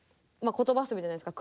言葉遊びじゃないですか。